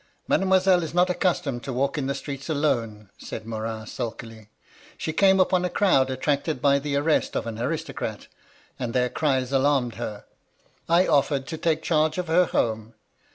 "'Mademoiselle is not accustomed to walk in the streets alone/ said Morin, sulkily. ^ She came upon a crowd attracted by the arrest of an aristocrat, and their cries alarmed her. I ofiered to take charge of her home.